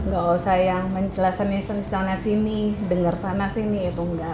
gak usah yang menjelasan istana istana sini dengar sana sini itu enggak